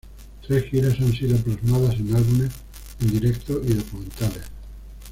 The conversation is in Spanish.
Tres giras han sido plasmadas en álbumes en directo y documentales.